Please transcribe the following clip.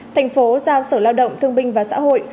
tp hcm giao sở lao động thương binh và xã hội